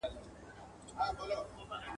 ورته مخ به د ناورين او جنازو وي ..